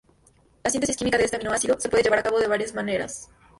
La síntesis química de este aminoácido se puede llevar a cabo de varias maneras.